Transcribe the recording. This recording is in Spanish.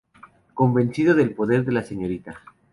Convencido del poder de la Srta.